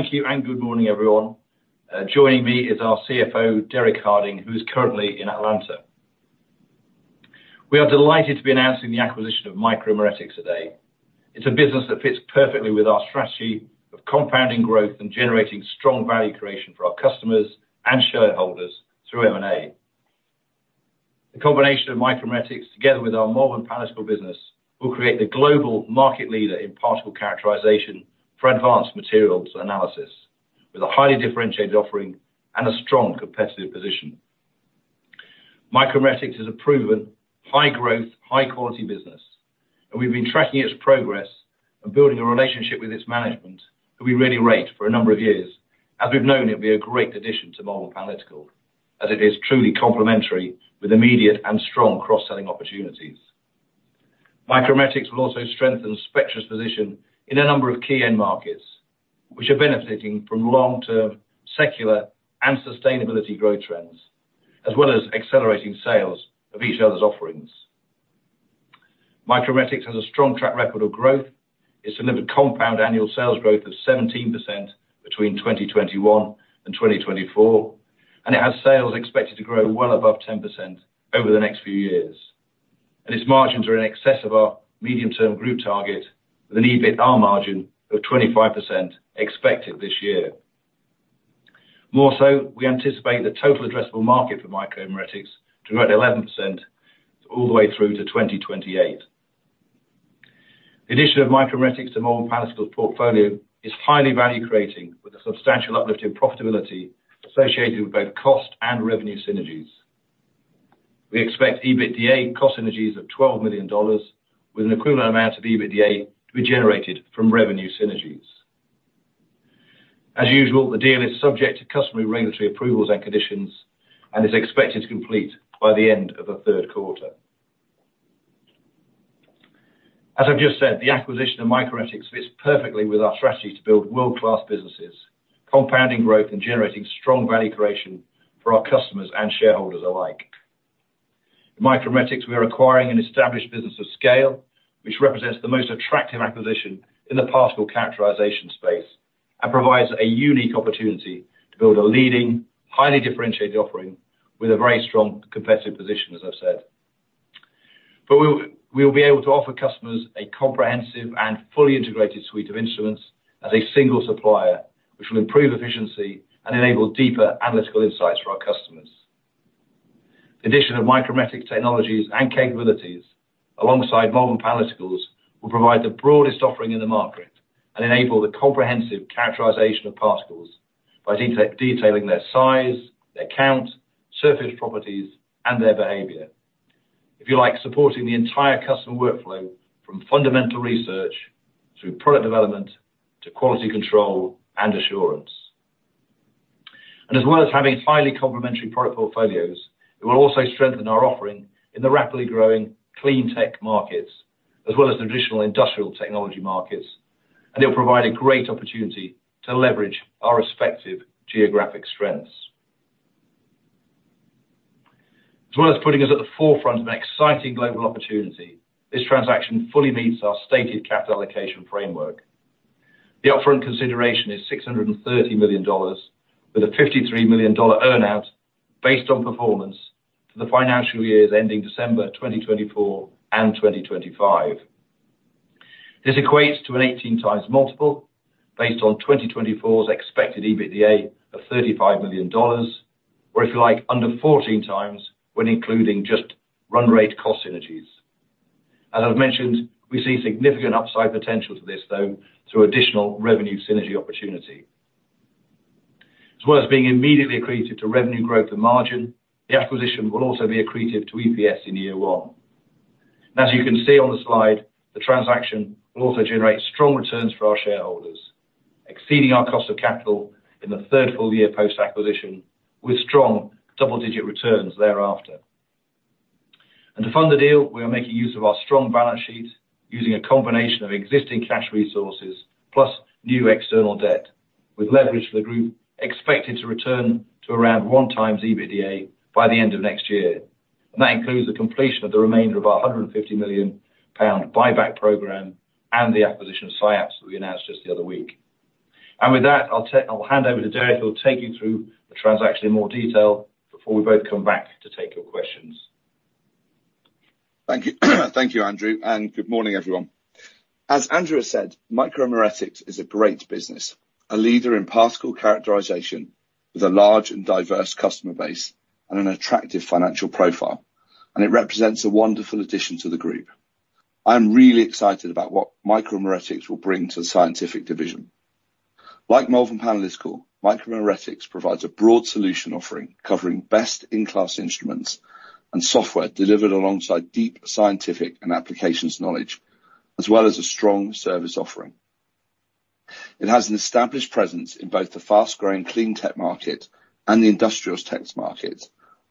Thank you, and good morning, everyone. Joining me is our CFO, Derek Harding, who is currently in Atlanta. We are delighted to be announcing the acquisition of Micromeritics today. It's a business that fits perfectly with our strategy of compounding growth and generating strong value creation for our customers and shareholders through M&A. The combination of Micromeritics, together with our Malvern Panalytical business, will create the global market leader in particle characterization for advanced materials analysis, with a highly differentiated offering and a strong competitive position. Micromeritics is a proven, high-growth, high-quality business, and we've been tracking its progress and building a relationship with its management, who we really rate, for a number of years. As we've known, it'd be a great addition to Malvern Panalytical, as it is truly complementary, with immediate and strong cross-selling opportunities. Micromeritics will also strengthen Spectris' position in a number of key end markets, which are benefiting from long-term, secular, and sustainability growth trends, as well as accelerating sales of each other's offerings. Micromeritics has a strong track record of growth. It's delivered compound annual sales growth of 17% between 2021 and 2024, and it has sales expected to grow well above 10% over the next few years. Its margins are in excess of our medium-term group target, with an EBITDA margin of 25% expected this year. More so, we anticipate the total addressable market for Micromeritics to grow at 11% all the way through to 2028. The addition of Micromeritics to Malvern Panalytical's portfolio is highly value-creating, with a substantial uplift in profitability associated with both cost and revenue synergies. We expect EBITDA cost synergies of $12 million, with an equivalent amount of EBITDA to be generated from revenue synergies. As usual, the deal is subject to customary regulatory approvals and conditions and is expected to complete by the end of the third quarter. As I've just said, the acquisition of Micromeritics fits perfectly with our strategy to build world-class businesses, compounding growth, and generating strong value creation for our customers and shareholders alike. Micromeritics, we are acquiring an established business of scale, which represents the most attractive acquisition in the particle characterization space, and provides a unique opportunity to build a leading, highly differentiated offering with a very strong competitive position, as I've said. But we will, we will be able to offer customers a comprehensive and fully integrated suite of instruments as a single supplier, which will improve efficiency and enable deeper analytical insights for our customers. The addition of Micromeritics' technologies and capabilities, alongside Malvern Panalytical's, will provide the broadest offering in the market and enable the comprehensive characterization of particles by detailing their size, their count, surface properties, and their behavior. If you like, supporting the entire customer workflow from fundamental research through product development to quality control and assurance. And as well as having highly complementary product portfolios, it will also strengthen our offering in the rapidly growing clean tech markets, as well as the traditional industrial technology markets, and it will provide a great opportunity to leverage our respective geographic strengths. As well as putting us at the forefront of an exciting global opportunity, this transaction fully meets our stated capital allocation framework. The upfront consideration is $630 million, with a $53 million earn-out based on performance for the financial years ending December 2024 and 2025. This equates to an 18 times multiple based on 2024's expected EBITDA of $35 million, or, if you like, under 14 times when including just run rate cost synergies. As I've mentioned, we see significant upside potential to this, though, through additional revenue synergy opportunity. As well as being immediately accretive to revenue growth and margin, the acquisition will also be accretive to EPS in year one. As you can see on the slide, the transaction will also generate strong returns for our shareholders, exceeding our cost of capital in the third full year post-acquisition, with strong double-digit returns thereafter. To fund the deal, we are making use of our strong balance sheet, using a combination of existing cash resources plus new external debt, with leverage for the group expected to return to around one times EBITDA by the end of next year. And that includes the completion of the remainder of our 150 million pound buyback program and the acquisition of SciAps, that we announced just the other week. And with that, I'll hand over to Derek, who'll take you through the transaction in more detail before we both come back to take your questions. Thank you. Thank you, Andrew, and good morning, everyone. As Andrew has said, Micromeritics is a great business, a leader in particle characterization with a large and diverse customer base and an attractive financial profile, and it represents a wonderful addition to the group. I'm really excited about what Micromeritics will bring to the scientific division. Like Malvern Panalytical, Micromeritics provides a broad solution offering, covering best-in-class instruments and software delivered alongside deep scientific and applications knowledge, as well as a strong service offering. It has an established presence in both the fast-growing clean tech market and the industrial tech market,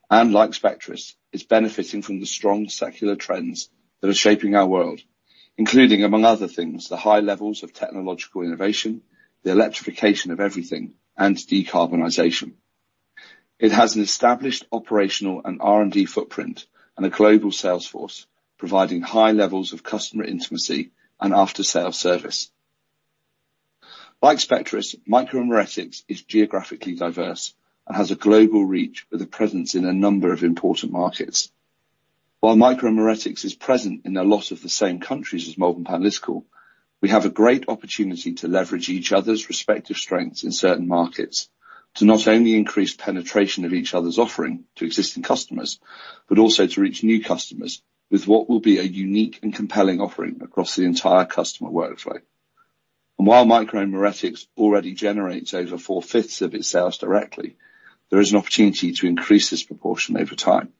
and like Spectris, is benefiting from the strong secular trends that are shaping our world, including, among other things, the high levels of technological innovation, the electrification of everything, and decarbonization.... It has an established operational and R&D footprint, and a global sales force, providing high levels of customer intimacy and after-sale service. Like Spectris, Micromeritics is geographically diverse and has a global reach with a presence in a number of important markets. While Micromeritics is present in a lot of the same countries as Malvern Panalytical, we have a great opportunity to leverage each other's respective strengths in certain markets, to not only increase penetration of each other's offering to existing customers, but also to reach new customers with what will be a unique and compelling offering across the entire customer workflow. And while Micromeritics already generates over four-fifths of its sales directly, there is an opportunity to increase this proportion over time.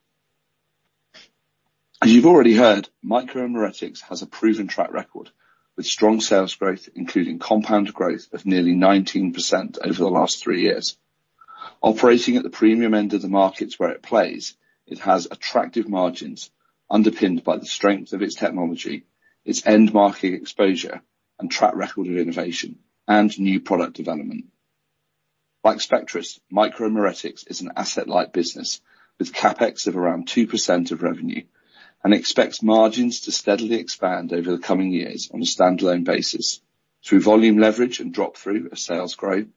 As you've already heard, Micromeritics has a proven track record, with strong sales growth, including compound growth of nearly 19% over the last three years. Operating at the premium end of the markets where it plays, it has attractive margins, underpinned by the strength of its technology, its end-market exposure, and track record of innovation, and new product development. Like Spectris, Micromeritics is an asset-light business, with CapEx of around 2% of revenue, and expects margins to steadily expand over the coming years on a standalone basis, through volume leverage and drop-through of sales growth,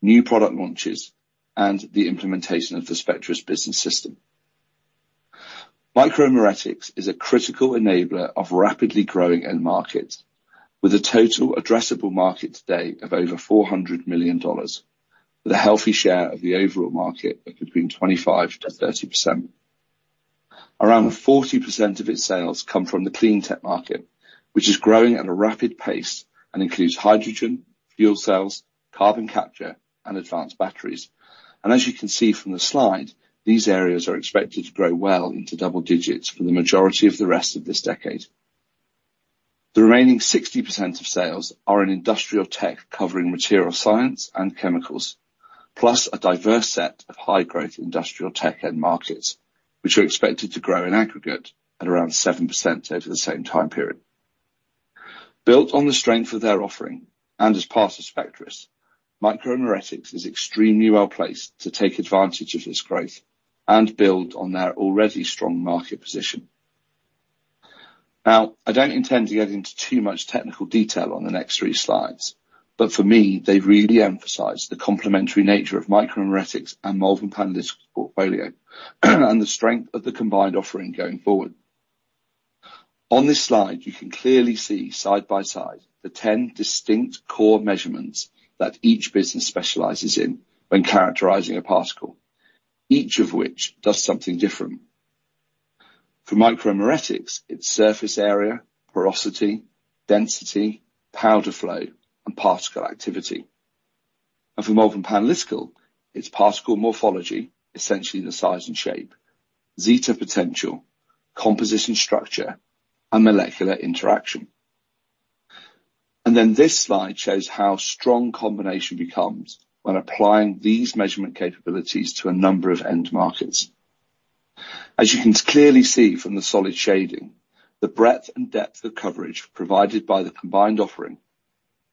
new product launches, and the implementation of the Spectris Business System. Micromeritics is a critical enabler of rapidly growing end markets, with a total addressable market today of over $400 million, with a healthy share of the overall market of between 25%-30%. Around 40% of its sales come from the clean tech market, which is growing at a rapid pace and includes hydrogen, fuel cells, carbon capture, and advanced batteries. As you can see from the slide, these areas are expected to grow well into double digits for the majority of the rest of this decade. The remaining 60% of sales are in industrial tech, covering material science and chemicals, plus a diverse set of high-growth industrial tech end markets, which are expected to grow in aggregate at around 7% over the same time period. Built on the strength of their offering, and as part of Spectris, Micromeritics is extremely well placed to take advantage of this growth and build on their already strong market position. Now, I don't intend to get into too much technical detail on the next three slides, but for me, they really emphasize the complementary nature of Micromeritics and Malvern Panalytical's portfolio, and the strength of the combined offering going forward. On this slide, you can clearly see, side by side, the 10 distinct core measurements that each business specializes in when characterizing a particle, each of which does something different. For Micromeritics, it's surface area, porosity, density, powder flow, and particle activity. For Malvern Panalytical, it's particle morphology, essentially the size and shape, zeta potential, composition, structure, and molecular interaction. This slide shows how strong combination becomes when applying these measurement capabilities to a number of end markets. As you can clearly see from the solid shading, the breadth and depth of coverage provided by the combined offering,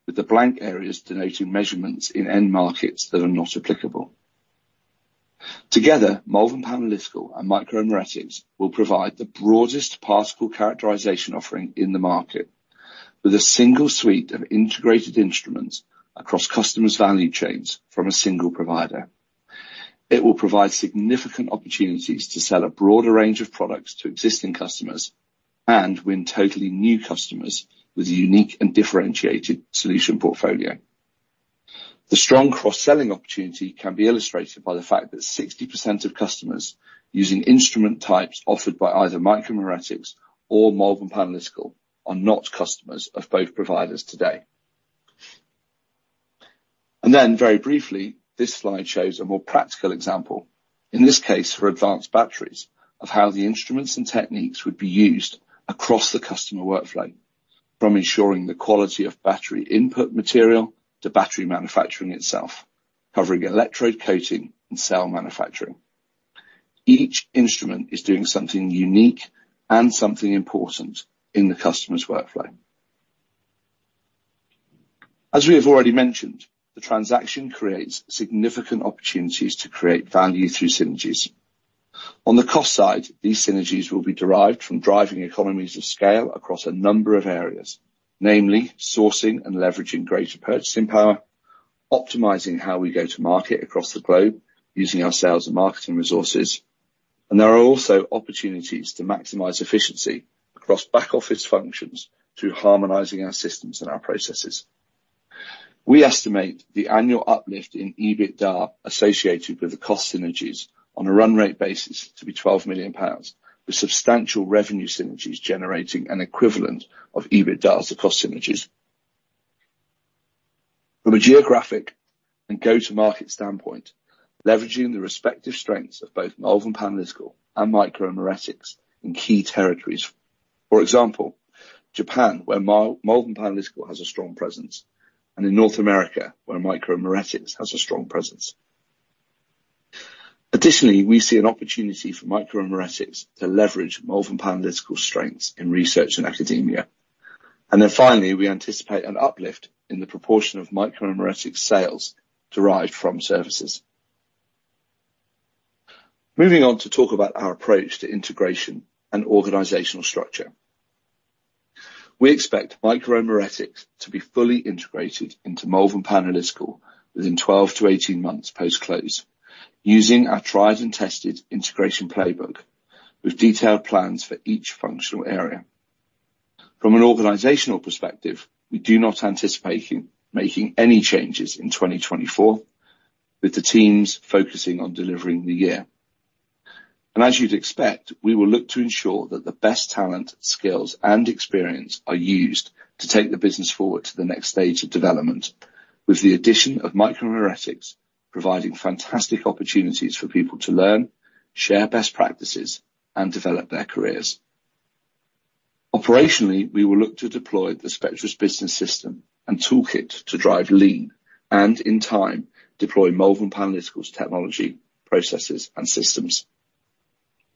with the blank areas denoting measurements in end markets that are not applicable. Together, Malvern Panalytical and Micromeritics will provide the broadest particle characterization offering in the market, with a single suite of integrated instruments across customers' value chains from a single provider. It will provide significant opportunities to sell a broader range of products to existing customers, and win totally new customers with a unique and differentiated solution portfolio. The strong cross-selling opportunity can be illustrated by the fact that 60% of customers using instrument types offered by either Micromeritics or Malvern Panalytical are not customers of both providers today. Then, very briefly, this slide shows a more practical example. In this case, for advanced batteries, of how the instruments and techniques would be used across the customer workflow, from ensuring the quality of battery input material to battery manufacturing itself, covering electrode coating and cell manufacturing. Each instrument is doing something unique and something important in the customer's workflow. As we have already mentioned, the transaction creates significant opportunities to create value through synergies. On the cost side, these synergies will be derived from driving economies of scale across a number of areas, namely sourcing and leveraging greater purchasing power, optimizing how we go to market across the globe using our sales and marketing resources, and there are also opportunities to maximize efficiency across back office functions through harmonizing our systems and our processes. We estimate the annual uplift in EBITDA associated with the cost synergies on a run rate basis to be 12 million pounds, with substantial revenue synergies generating an equivalent of EBITDA as the cost synergies. From a geographic and go-to-market standpoint, leveraging the respective strengths of both Malvern Panalytical and Micromeritics in key territories. For example, Japan, where Malvern Panalytical has a strong presence, and in North America, where Micromeritics has a strong presence. Additionally, we see an opportunity for Micromeritics to leverage Malvern Panalytical's strengths in research and academia. And then finally, we anticipate an uplift in the proportion of Micromeritics sales derived from services. Moving on to talk about our approach to integration and organizational structure. We expect Micromeritics to be fully integrated into Malvern Panalytical within 12-18 months post-close, using our tried and tested integration playbook, with detailed plans for each functional area. From an organizational perspective, we do not anticipate making any changes in 2024, with the teams focusing on delivering the year. And as you'd expect, we will look to ensure that the best talent, skills, and experience are used to take the business forward to the next stage of development, with the addition of Micromeritics providing fantastic opportunities for people to learn, share best practices, and develop their careers. Operationally, we will look to deploy the Spectris Business System and toolkit to drive lean, and in time, deploy Malvern Panalytical's technology, processes, and systems.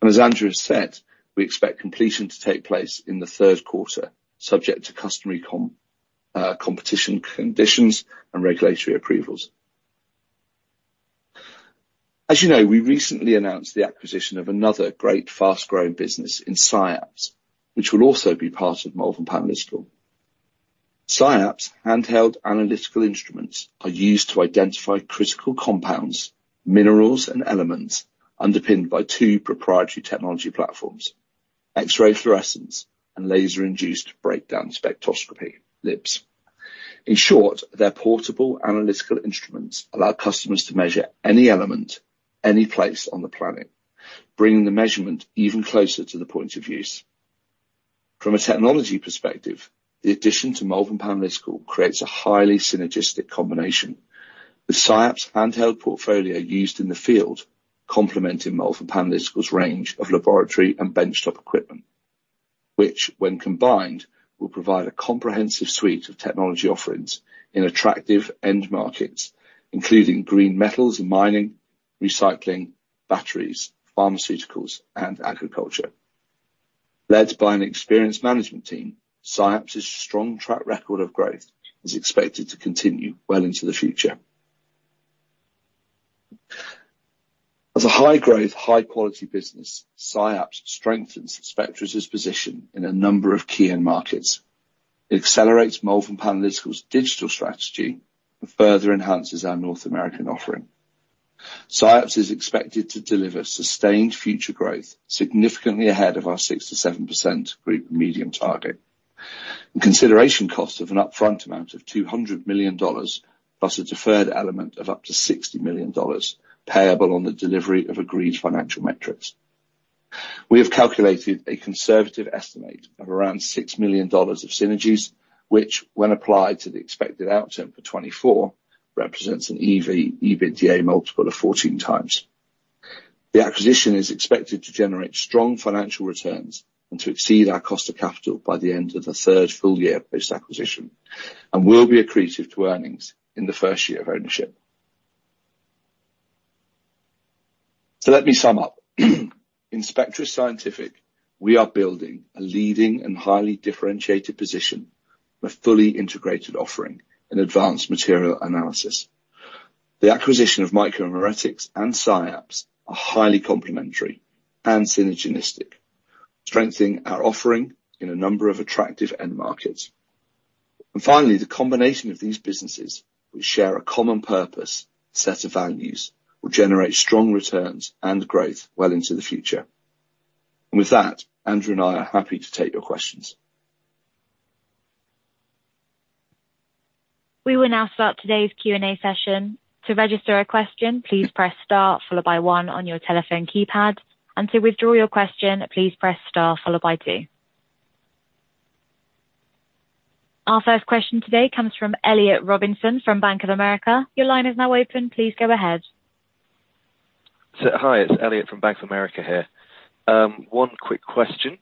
As Andrew has said, we expect completion to take place in the third quarter, subject to customary competition conditions and regulatory approvals. As you know, we recently announced the acquisition of another great, fast-growing business in SciAps, which will also be part of Malvern Panalytical. SciAps handheld analytical instruments are used to identify critical compounds, minerals, and elements underpinned by two proprietary technology platforms, X-ray fluorescence and laser-induced breakdown spectroscopy (LIBS). In short, their portable analytical instruments allow customers to measure any element, any place on the planet, bringing the measurement even closer to the point of use. From a technology perspective, the addition to Malvern Panalytical creates a highly synergistic combination. The SciAps handheld portfolio used in the field, complementing Malvern Panalytical's range of laboratory and benchtop equipment, which, when combined, will provide a comprehensive suite of technology offerings in attractive end markets, including green metals and mining, recycling, batteries, pharmaceuticals, and agriculture. Led by an experienced management team, SciAps' strong track record of growth is expected to continue well into the future. As a high-growth, high-quality business, SciAps strengthens Spectris' position in a number of key end markets. It accelerates Malvern Panalytical's digital strategy and further enhances our North American offering. SciAps is expected to deliver sustained future growth, significantly ahead of our 6%-7% group medium target. In consideration cost of an upfront amount of $200 million, plus a deferred element of up to $60 million, payable on the delivery of agreed financial metrics. We have calculated a conservative estimate of around $6 million of synergies, which when applied to the expected outcome for 2024, represents an EV-EBITDA multiple of 14 times. The acquisition is expected to generate strong financial returns and to exceed our cost of capital by the end of the third full year post-acquisition, and will be accretive to earnings in the first year of ownership. So let me sum up. In Spectris Scientific, we are building a leading and highly differentiated position with fully integrated offering in advanced material analysis. The acquisition of Micromeritics and SciAps are highly complementary and synergistic, strengthening our offering in a number of attractive end markets. And finally, the combination of these businesses, which share a common purpose, set of values, will generate strong returns and growth well into the future. And with that, Andrew and I are happy to take your questions. We will now start today's Q&A session. To register a question, please press star followed by one on your telephone keypad, and to withdraw your question, please press star followed by two. Our first question today comes from Elliott Robinson from Bank of America. Your line is now open. Please go ahead. So hi, it's Elliott from Bank of America here. One quick question.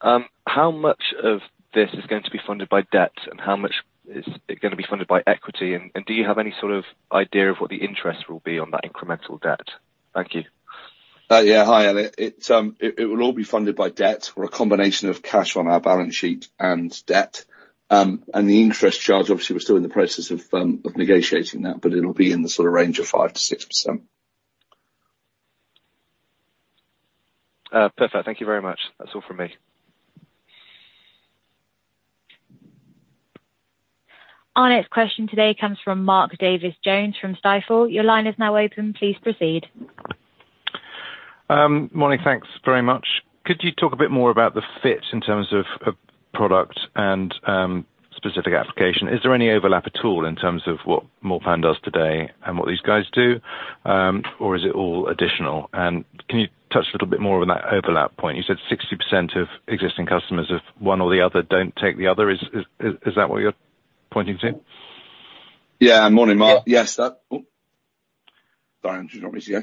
How much of this is going to be funded by debt, and how much is it gonna be funded by equity? And do you have any sort of idea of what the interest will be on that incremental debt? Thank you. Yeah. Hi, Elliott. It will all be funded by debt or a combination of cash on our balance sheet and debt. And the interest charge, obviously, we're still in the process of negotiating that, but it'll be in the sort of range of 5%-6%. Perfect. Thank you very much. That's all from me. Our next question today comes from Mark Davies Jones from Stifel. Your line is now open. Please proceed. Morning. Thanks very much. Could you talk a bit more about the fit in terms of, of product and, specific application? Is there any overlap at all in terms of what Malvern Panalytical does today and what these guys do, or is it all additional? And can you touch a little bit more on that overlap point? You said 60% of existing customers, if one or the other don't take the other, is, is, is that what you're pointing to? Yeah. Morning, Mark. Yes, that... Oh, sorry, Andrew, do you want me to go?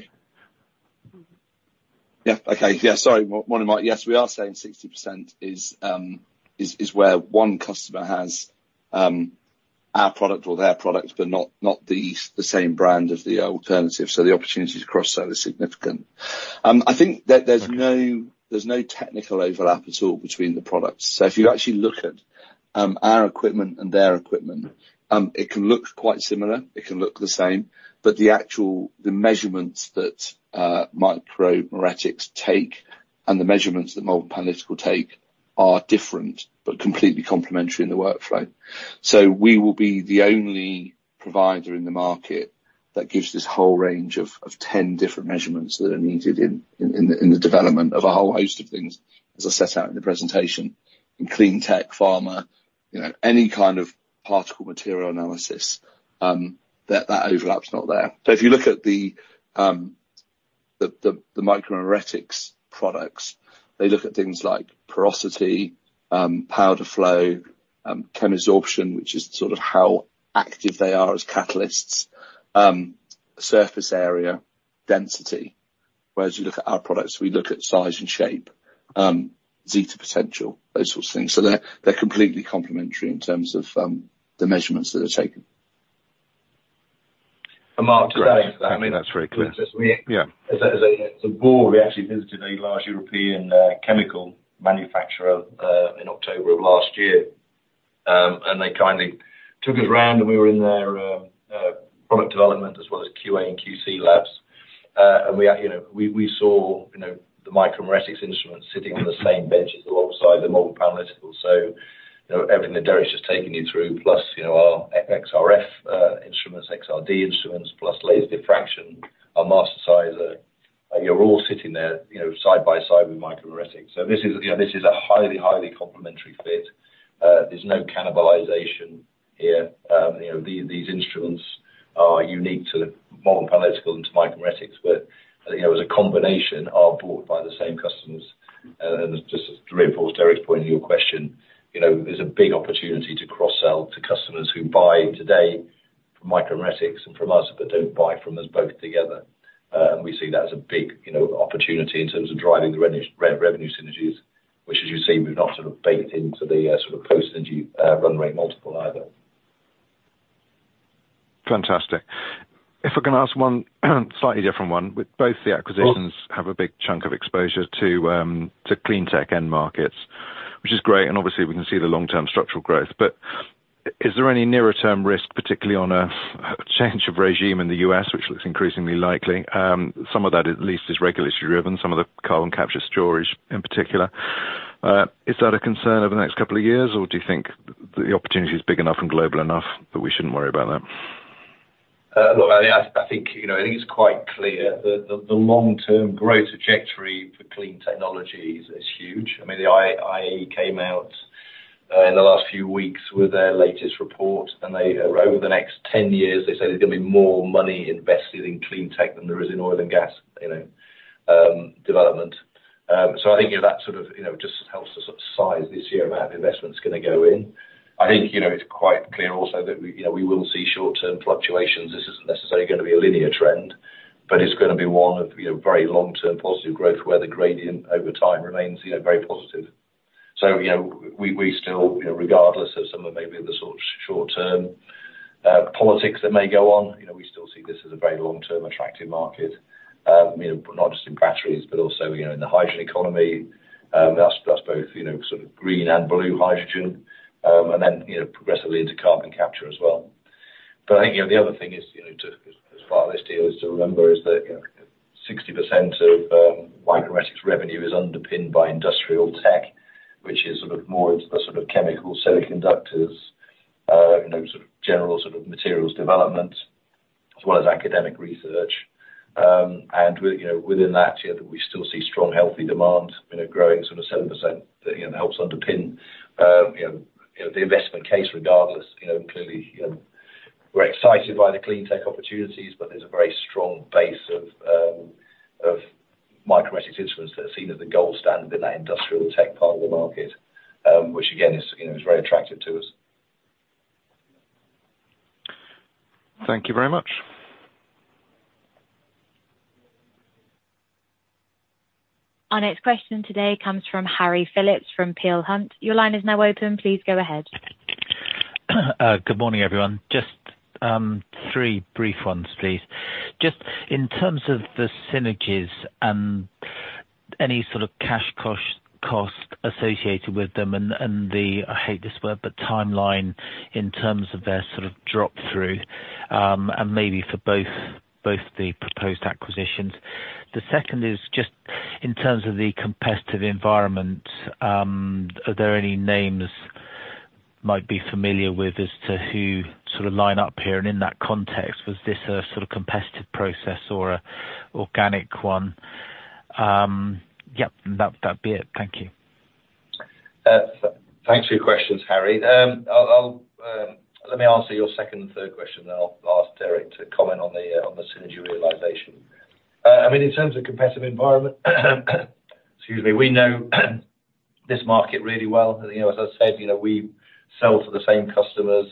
Yeah. Okay. Yeah, sorry. Morning, Mark. Yes, we are saying 60% is where one customer has our product or their product, but not the same brand as the alternative, so the opportunity to cross-sell is significant. I think that there's no technical overlap at all between the products. So if you actually look at our equipment and their equipment, it can look quite similar, it can look the same, but the actual, the measurements that Micromeritics take, and the measurements that Malvern Panalytical take are different, but completely complementary in the workflow. So we will be the only provider in the market that gives this whole range of 10 different measurements that are needed in the development of a whole host of things, as I set out in the presentation. In clean tech, pharma, you know, any kind of particle material analysis, that overlap's not there. So if you look at the Micromeritics products, they look at things like porosity, powder flow, chemisorption, which is sort of how active they are as catalysts, surface area, density. Whereas you look at our products, we look at size and shape, zeta potential, those sorts of things. So they're completely complementary in terms of the measurements that are taken. Mark, today- Great. I think that's very clear. Just me. Yeah. As a board, we actually visited a large European chemical manufacturer in October of last year. They kindly took us around, and we were in their product development, as well as QA and QC labs. We, you know, saw, you know, the Micromeritics instruments sitting on the same bench alongside the Malvern Panalytical. So, you know, everything that Derek's just taken you through, plus, you know, our XRF instruments, XRD instruments, plus laser diffraction, our Mastersizer, you're all sitting there, you know, side by side with Micromeritics. So this is, you know, this is a highly, highly complementary fit. There's no cannibalization here. You know, these instruments are unique to Malvern Panalytical and to Micromeritics, where, you know, as a combination, are bought by the same customers. And just to reinforce Derek's point in your question, you know, there's a big opportunity to cross-sell to customers who buy today from Micromeritics and from us, but don't buy from us both together. And we see that as a big, you know, opportunity in terms of driving the revenue synergies, which, as you see, we've not sort of baked into the sort of post-synergy run rate multiple either. Fantastic. If I can ask one, slightly different one. With both the acquisitions- Sure. have a big chunk of exposure to clean tech end markets, which is great, and obviously we can see the long-term structural growth. But is there any nearer term risk, particularly on a change of regime in the U.S., which looks increasingly likely? Some of that at least is regulatory driven, some of the carbon capture storage in particular. Is that a concern over the next couple of years, or do you think the opportunity is big enough and global enough, that we shouldn't worry about that? Look, I think, I think, you know, I think it's quite clear that the long-term growth trajectory for clean technologies is huge. I mean, the IEA came out in the last few weeks with their latest report, and they over the next 10 years, they say there's gonna be more money invested in clean tech than there is in oil and gas, you know, development. So I think, you know, that sort of, you know, just helps to sort of size this year amount of investment that's gonna go in. I think, you know, it's quite clear also that we, you know, we will see short-term fluctuations. This isn't necessarily gonna be a linear trend, but it's gonna be one of, you know, very long-term positive growth, where the gradient over time remains, you know, very positive. So, you know, we, we still, you know, regardless of some of maybe the sort of short-term politics that may go on, you know, we still see this as a very long-term attractive market. You know, not just in batteries, but also you know, in the hydrogen economy, that's, that's both, you know, sort of green and blue hydrogen, and then, you know, progressively into carbon capture as well. But I think, you know, the other thing is, you know, to, as part of this deal is to remember, is that, you know, 60% of Micromeritics' revenue is underpinned by industrial tech, which is sort of more into the sort of chemical semiconductors, you know, sort of general sort of materials development, as well as academic research. And you know, within that year, that we still see strong, healthy demand, you know, growing sort of 7%, you know, helps underpin, you know, the investment case regardless, you know, clearly, we're excited by the clean tech opportunities, but there's a very strong base of, of Micromeritics instruments that are seen as the gold standard in that industrial tech part of the market, which again, is, you know, is very attractive to us. Thank you very much. Our next question today comes from Harry Phillips, from Peel Hunt. Your line is now open, please go ahead. Good morning, everyone. Just three brief ones, please. Just in terms of the synergies and any sort of cash cost, cost associated with them and the—I hate this word, but timeline in terms of their sort of drop through, and maybe for both, both the proposed acquisitions. The second is just in terms of the competitive environment, are there any names might be familiar with as to who sort of line up here? And in that context, was this a sort of competitive process or an organic one? Yep, that'd be it. Thank you. Thanks for your questions, Harry. Let me answer your second and third question, then I'll ask Derek to comment on the synergy realization. I mean, in terms of competitive environment, excuse me, we know this market really well. You know, as I said, you know, we sell to the same customers,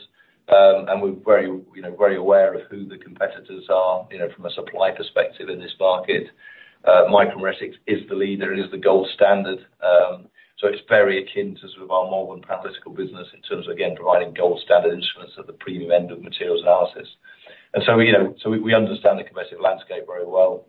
and we're very, you know, very aware of who the competitors are, you know, from a supply perspective in this market. Micromeritics is the leader, it is the gold standard. So it's very akin to sort of our Malvern Panalytical business in terms of, again, providing gold standard instruments at the premium end of materials analysis. And so, you know, so we, we understand the competitive landscape very well.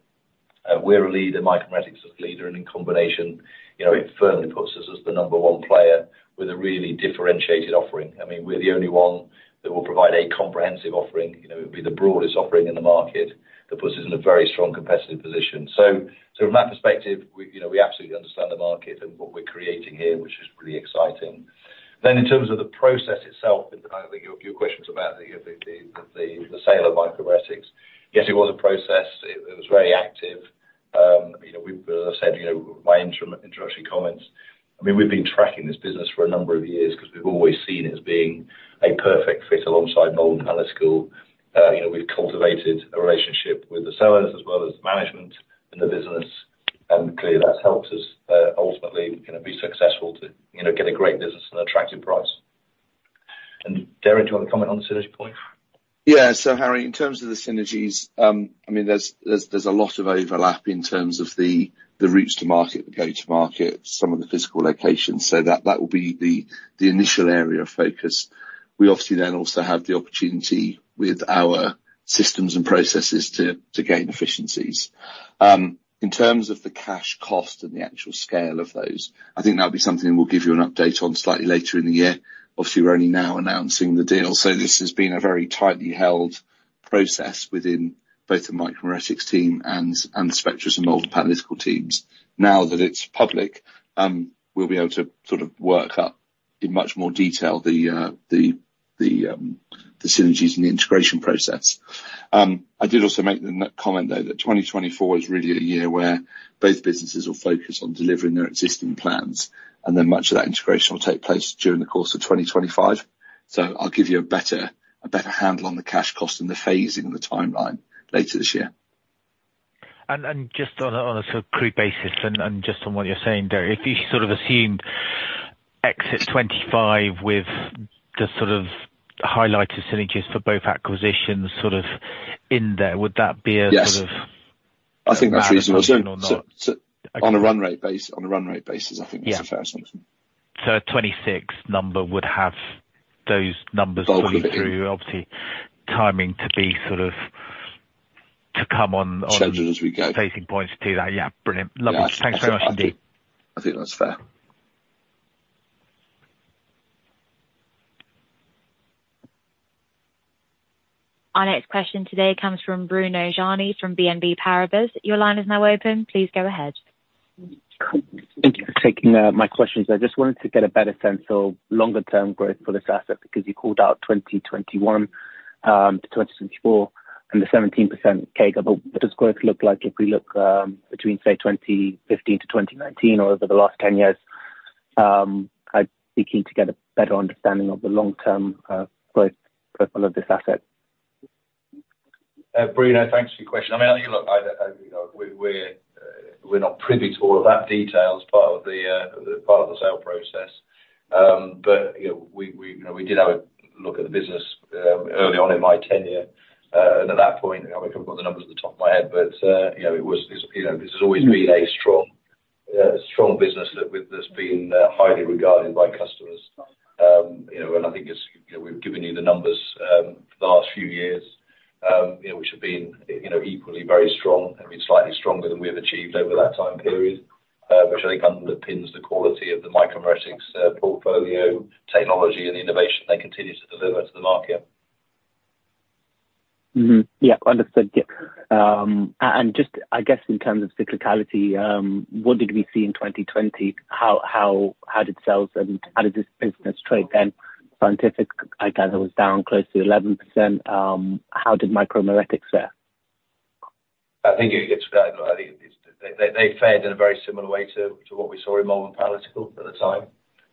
We're a leader, Micromeritics is a leader, and in combination, you know, it firmly puts us as the number one player with a really differentiated offering. I mean, we're the only one that will provide a comprehensive offering. You know, it'll be the broadest offering in the market. That puts us in a very strong, competitive position. So from that perspective, you know, we absolutely understand the market and what we're creating here, which is really exciting. Then in terms of the process itself, I think your question's about the sale of Micromeritics. Yes, it was a process. It was very active. You know, as I said, you know, my introductory comments, I mean, we've been tracking this business for a number of years, 'cause we've always seen it as being a perfect fit alongside Malvern Panalytical. You know, we've cultivated a relationship with the sellers as well as management in the business, and clearly, that's helped us, ultimately, you know, be successful to, you know, get a great business and attractive price. And Derek, do you want to comment on the synergies point? Yeah. So Harry, in terms of the synergies, I mean, there's a lot of overlap in terms of the routes to market, the go-to-market, some of the physical locations. So that will be the initial area of focus. We obviously then also have the opportunity with our systems and processes to gain efficiencies. In terms of the cash cost and the actual scale of those, I think that'll be something we'll give you an update on slightly later in the year. Obviously, we're only now announcing the deal, so this has been a very tightly held process within both the Micromeritics team and the Spectris and Malvern Panalytical teams. Now that it's public, we'll be able to sort of work up in much more detail the synergies and the integration process. I did also make the comment, though, that 2024 is really a year where both businesses will focus on delivering their existing plans, and then much of that integration will take place during the course of 2025. So I'll give you a better, a better handle on the cash cost and the phasing and the timeline later this year. And just on a sort of crude basis, just on what you're saying, Derek, if you sort of assumed exit 2025 with the sort of highlighted synergies for both acquisitions, sort of in there, would that be a sort of? Yes. I think that's reasonable. Or not? So, on a run rate basis, I think that's a fair assumption. A 26 number would have those numbers- Both of it. Through, obviously, timing to be sort of to come on, on- Schedule as we go. Facing points to that. Yeah, brilliant. Lovely. Yeah. Thanks very much indeed. I think that's fair. Our next question today comes from Bruno Gjani from BNP Paribas. Your line is now open. Please go ahead. Thank you for taking my questions. I just wanted to get a better sense of longer term growth for this asset, because you called out 2021-2024, and the 17% CAGR. But what does growth look like if we look between, say, 2015-2019, or over the last 10 years? I'd be keen to get a better understanding of the long-term growth profile of this asset. Bruno, thanks for your question. I mean, look, you know, we're not privy to all of that detail as part of the sale process. But, you know, we did have a look at the business early on in my tenure. And at that point, I mean, I haven't got the numbers at the top of my head, but, you know, this has always been a strong business that's been highly regarded by customers. You know, and I think it's, you know, we've given you the numbers, the last few years, you know, which have been, you know, equally very strong and been slightly stronger than we have achieved over that time period, which I think underpins the quality of the Micromeritics portfolio, technology, and the innovation they continue to deliver to the market. Mm-hmm. Yeah, understood. Yeah. And just, I guess, in terms of cyclicality, what did we see in 2020? How did sales and how did this business trade then? Scientific, I gather, was down close to 11%. How did Micromeritics fare? I think it's they fared in a very similar way to what we saw in Malvern Panalytical at the time,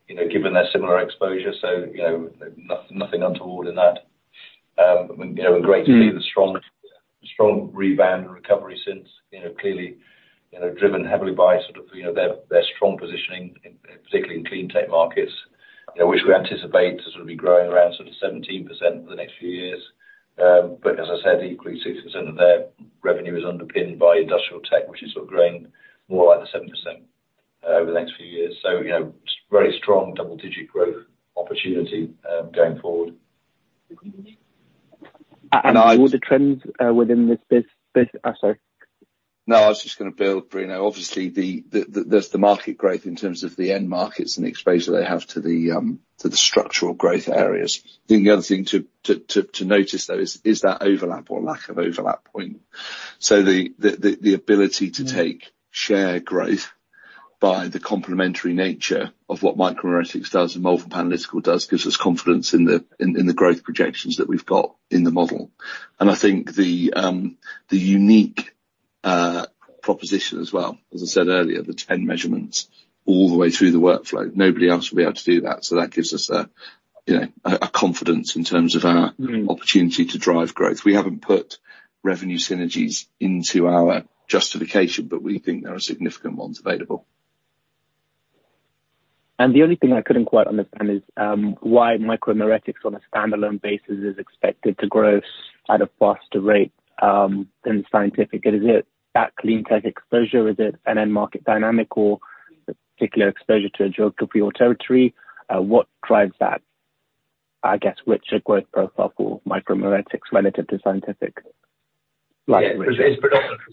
you know, given their similar exposure. So, you know, nothing untoward in that. You know, and great to see- Mm. The strong, strong rebound and recovery since, you know, clearly, you know, driven heavily by sort of, you know, their, their strong positioning, in, particularly in clean tech markets, you know, which we anticipate to sort of be growing around sort of 17% for the next few years. But as I said, equally, 60% of their revenue is underpinned by industrial tech, which is sort of growing more like 7%, over the next few years. So, you know, very strong double-digit growth opportunity, going forward. And all the trends within this business. Sorry. No, I was just gonna build, Bruno. Obviously, there's the market growth in terms of the end markets and the exposure they have to the structural growth areas. I think the other thing to notice, though, is that overlap or lack of overlap point. So the ability to take share growth by the complementary nature of what Micromeritics does and Malvern Panalytical does, gives us confidence in the growth projections that we've got in the model. And I think the unique proposition as well, as I said earlier, the 10 measurements all the way through the workflow, nobody else will be able to do that. So that gives us a, you know, a confidence in terms of our- Mm. opportunity to drive growth. We haven't put revenue synergies into our justification, but we think there are significant ones available. The only thing I couldn't quite understand is why Micromeritics, on a standalone basis, is expected to grow at a faster rate than Scientific. Is it that clean tech exposure? Is it an end market dynamic or particular exposure to a geography or territory? What drives that, I guess, richer growth profile for Micromeritics relative to Scientific? Yeah, it's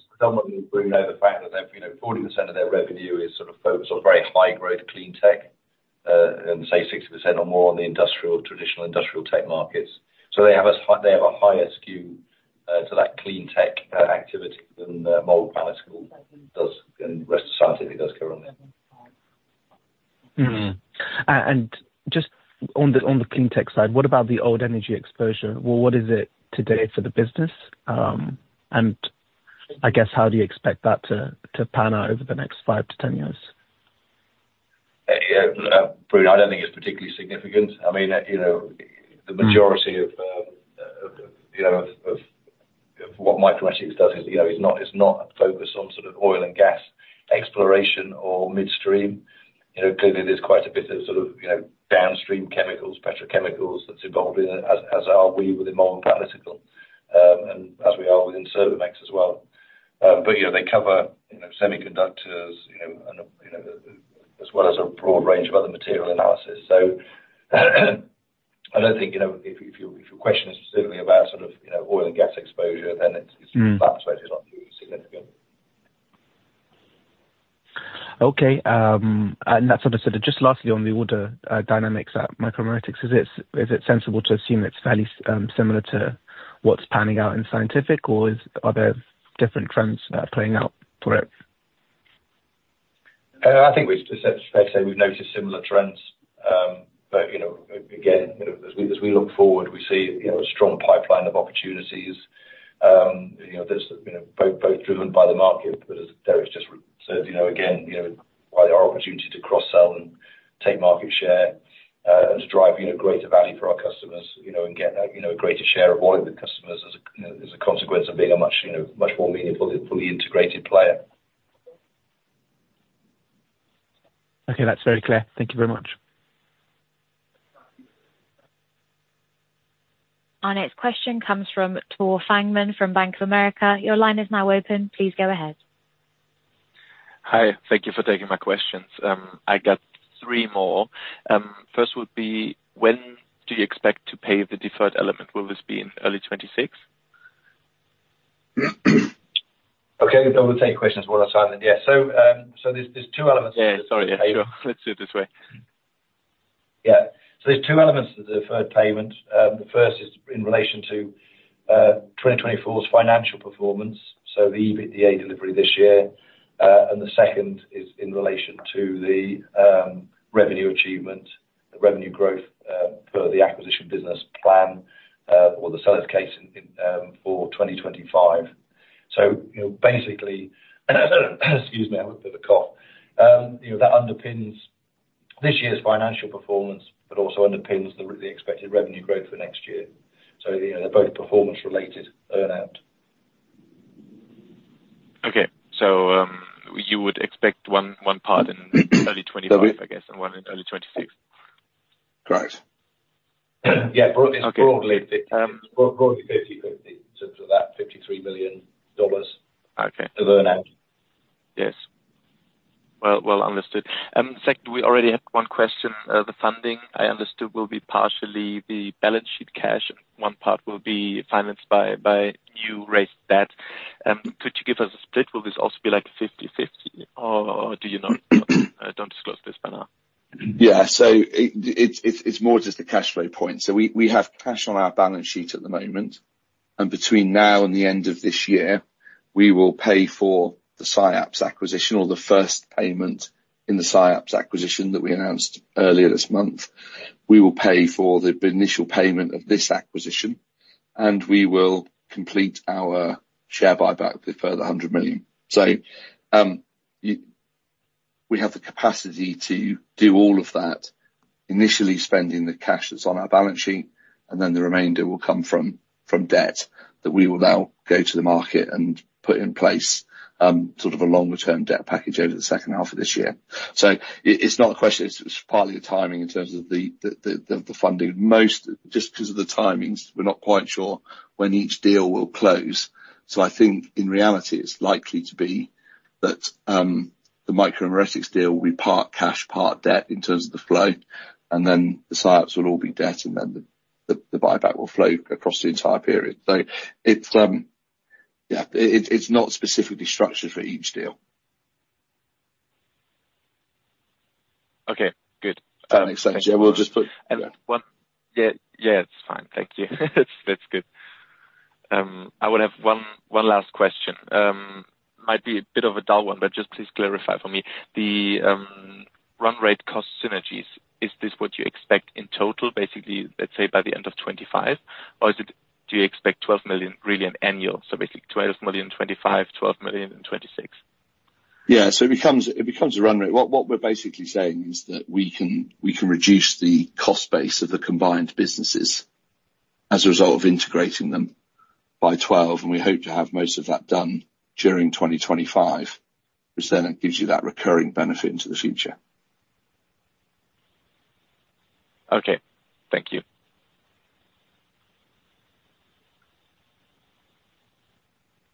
predominantly, we know the fact that, you know, 40% of their revenue is sort of focused on very high growth clean tech, and say 60% or more on the industrial, traditional industrial tech markets. So they have a higher skew to that clean tech activity than Malvern Analytical does, and the rest of Scientific does currently. Mm-hmm. And just on the clean tech side, what about the old energy exposure? Well, what is it today for the business? And I guess, how do you expect that to pan out over the next five to 10 years? Yeah, Bruno, I don't think it's particularly significant. I mean, you know- Mm. -the majority of, of, you know, of, of what Micromeritics does is, you know, is not, is not focused on sort of oil and gas exploration or midstream. You know, clearly there's quite a bit of sort of, you know, downstream chemicals, petrochemicals that's involved in it, as, as are we within Malvern Panalytical. And as we are within Servomex as well. But yeah, they cover, you know, semiconductors, you know, and, you know, as well as a broad range of other material analysis. So, I don't think, you know, if, if your, if your question is specifically about sort of, you know, oil and gas exposure, then it's- Mm. It's not significantly significant. Okay, and that's understood. Just lastly, on the order dynamics at Micromeritics, is it sensible to assume it's fairly similar to what's panning out in Scientific, or are there different trends playing out for it? I think we, as I say, we've noticed similar trends. But, you know, again, you know, as we, as we look forward, we see, you know, a strong pipeline of opportunities. You know, there's, you know, both, both driven by the market, but as Darius just said, you know, again, you know, by our opportunity to cross-sell and take market share, and to drive, you know, greater value for our customers, you know, and get, you know, a greater share of all the customers as a, you know, as a consequence of being a much, you know, much more meaningful, fully integrated player. Okay. That's very clear. Thank you very much. Our next question comes from Tor Fängman from Bank of America. Your line is now open. Please go ahead. Hi. Thank you for taking my questions. I got three more. First would be, when do you expect to pay the deferred element? Will this be in early 2026? Okay, I will take your questions one at a time then. Yeah, so, so there's two elements- Yeah, sorry. Sure. Let's do it this way. Yeah. So there's two elements to the deferred payment. The first is in relation to 2024's financial performance, so the EBITDA delivery this year. And the second is in relation to the revenue achievement, the revenue growth per the acquisition business plan or the seller's case in for 2025. So, you know, basically, excuse me, I have a bit of a cough. You know, that underpins this year's financial performance, but also underpins the expected revenue growth for next year. So, you know, they're both performance-related earn-out. Okay. So, you would expect one part in early 2025- Sorry... I guess, and one in early 2026. Right. Yeah, broadly- Okay. It's broadly 50/50 in terms of that $53 million- Okay... of earn-out. Yes. Well understood. Second, we already had one question. The funding, I understood, will be partially the balance sheet cash. One part will be financed by new raised debt. Could you give us a split? Will this also be, like, 50/50, or do you not, don't disclose this by now? Yeah, so it, it's more just a cash flow point. So we have cash on our balance sheet at the moment, and between now and the end of this year, we will pay for the SciAps acquisition, or the first payment in the SciAps acquisition that we announced earlier this month. We will pay for the initial payment of this acquisition, and we will complete our share buyback with a further 100 million. So, we have the capacity to do all of that, initially spending the cash that's on our balance sheet, and then the remainder will come from debt, that we will now go to the market and put in place, sort of a longer-term debt package over the second half of this year. So it's not a question, it's partly the timing in terms of the funding. Just because of the timings, we're not quite sure when each deal will close. So I think, in reality, it's likely to be that the Micromeritics deal will be part cash, part debt in terms of the flow, and then the SciAps will all be debt, and then the buyback will flow across the entire period. So it's not specifically structured for each deal. Okay, good. If that makes sense. Yeah, we'll just put- Yeah, yeah, it's fine. Thank you. That's good. I would have one last question. Might be a bit of a dull one, but just please clarify for me. The run rate cost synergies, is this what you expect in total? Basically, let's say, by the end of 2025, or is it— do you expect 12 million really in annual, so basically 12 million in 2025, 12 million in 2026? Yeah, so it becomes a run rate. What we're basically saying is that we can reduce the cost base of the combined businesses-... as a result of integrating them by 12, and we hope to have most of that done during 2025, which then it gives you that recurring benefit into the future. Okay. Thank you.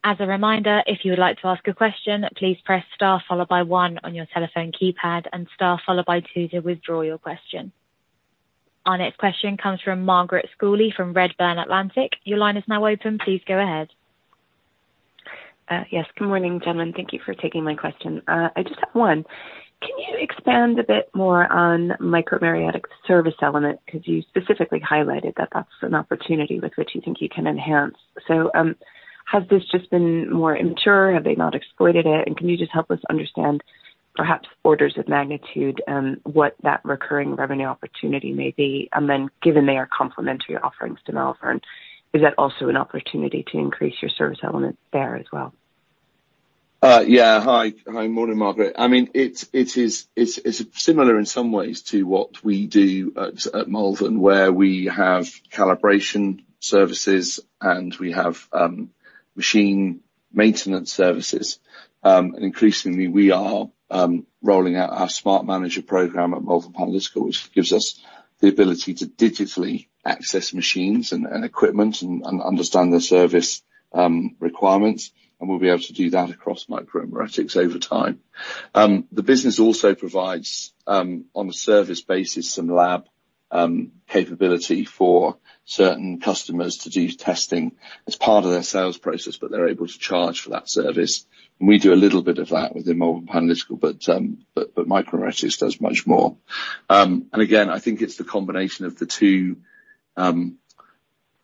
As a reminder, if you would like to ask a question, please press star followed by one on your telephone keypad and star followed by two to withdraw your question. Our next question comes from Margaret Schooley from Redburn Atlantic. Your line is now open. Please go ahead. Yes. Good morning, gentlemen. Thank you for taking my question. I just have one. Can you expand a bit more on Micromeritics service element? Because you specifically highlighted that that's an opportunity with which you think you can enhance. So, has this just been more immature? Have they not exploited it? And can you just help us understand, perhaps orders of magnitude, and what that recurring revenue opportunity may be? And then, given they are complementary offerings to Malvern, is that also an opportunity to increase your service element there as well? Yeah. Hi. Hi. Morning, Margaret. I mean, it's similar in some ways to what we do at Malvern, where we have calibration services, and we have machine maintenance services. And increasingly, we are rolling out our Smart Manager program at Malvern Panalytical, which gives us the ability to digitally access machines and equipment and understand their service requirements, and we'll be able to do that across Micromeritics over time. The business also provides, on a service basis, some lab capability for certain customers to do testing as part of their sales process, but they're able to charge for that service, and we do a little bit of that within Malvern Panalytical, but Micromeritics does much more. And again, I think it's the combination of the two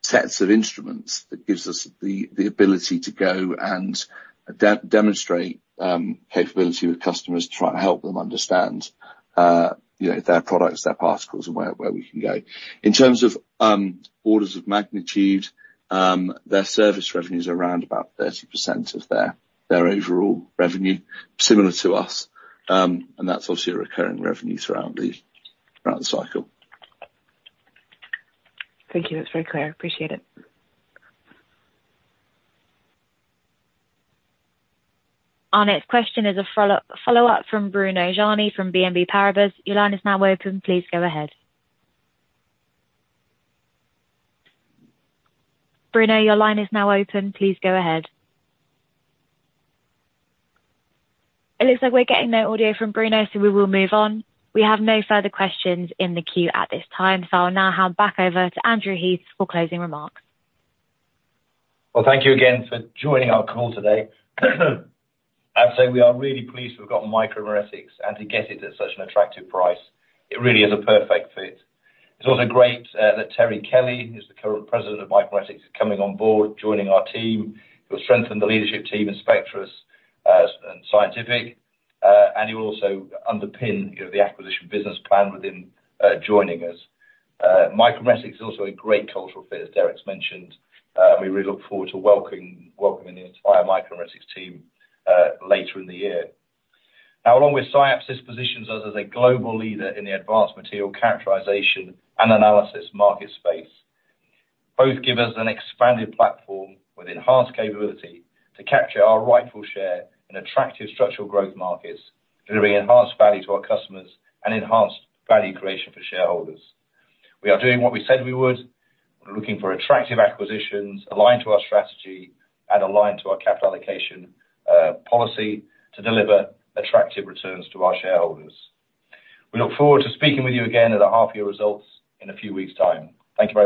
sets of instruments that gives us the ability to go and demonstrate capability with customers to try and help them understand, you know, their products, their particles, and where we can go. In terms of orders of magnitude, their service revenue is around about 30% of their overall revenue, similar to us. And that's obviously a recurring revenue throughout the cycle. Thank you. That's very clear. Appreciate it. Our next question is a follow-up from Bruno Gjani from BNP Paribas. Your line is now open. Please go ahead. Bruno, your line is now open. Please go ahead. It looks like we're getting no audio from Bruno, so we will move on. We have no further questions in the queue at this time, so I'll now hand back over to Andrew Heath for closing remarks. Well, thank you again for joining our call today. I'd say we are really pleased we've gotten Micromeritics and to get it at such an attractive price. It really is a perfect fit. It's also great that Terry Kelly, who's the current president of Micromeritics, is coming on board, joining our team. He'll strengthen the leadership team in Spectris and Scientific, and he will also underpin, you know, the acquisition business plan within joining us. Micromeritics is also a great cultural fit, as Derek's mentioned. We really look forward to welcoming the entire Micromeritics team later in the year. Now, along with SciAps, this positions us as a global leader in the advanced material characterization and analysis market space. Both give us an expanded platform with enhanced capability to capture our rightful share in attractive structural growth markets, delivering enhanced value to our customers and enhanced value creation for shareholders. We are doing what we said we would. We're looking for attractive acquisitions, aligned to our strategy and aligned to our capital allocation policy to deliver attractive returns to our shareholders. We look forward to speaking with you again at the half year results in a few weeks' time. Thank you very much.